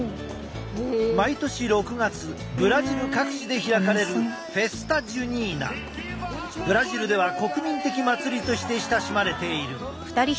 毎年６月ブラジル各地で開かれるブラジルでは国民的祭りとして親しまれている。